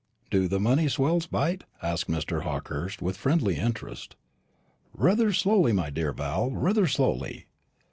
"Do the moneyed swells bite?" asked Mr. Hawkehurst, with friendly interest. "Rather slowly, my dear Val, rather slowly.